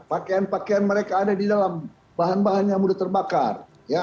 pakaian pakaian mereka ada di dalam bahan bahan yang mudah terbakar